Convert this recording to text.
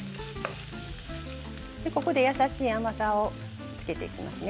ここで優しい甘さを付けていきますね。